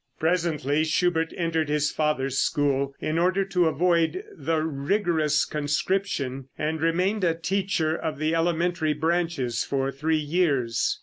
Presently Schubert entered his father's school, in order to avoid the rigorous conscription, and remained a teacher of the elementary branches for three years.